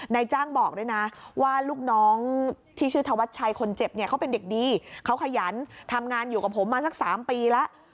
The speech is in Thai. นายจ้างบอกด้วยนะว่าลูกน้องที่ชื่อธวัชชัยคนเจ็บเนี่ยเขาเป็นเด็กดีเขาขยันทำงานอยู่กับผมมาสัก๓ปีแล้ว